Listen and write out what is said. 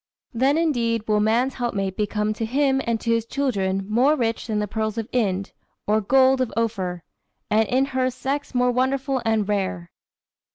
Then, indeed, will man's helpmate become to him and to his children "More rich than pearls of Ind or gold of Ophir, And in her sex more wonderful and rare."